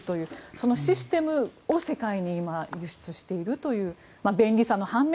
そのシステムを世界に今、輸出しているという便利さの半面